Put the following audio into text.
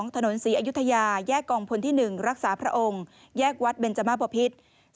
ถนนศรีอยุธยาแยกกองพลที่๑รักษาพระองค์แยกวัดเบนจมาบพิษ